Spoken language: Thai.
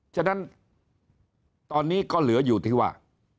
ฉะนั้นตอนนี้ก็เหลืออยู่ที่ว่า